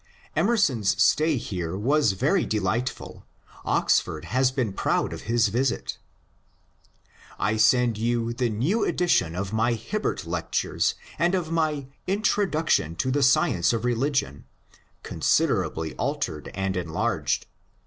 Emerson's stay here was very delightful. Oxford has been proud of his visit. I send you the new edition of my Hibbert Lectures and of my " Introduction to the Science of Religion " (consider ably altered and enlarged).